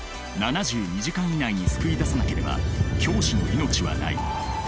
「７２時間以内に救い出さなければ教師の命はない」。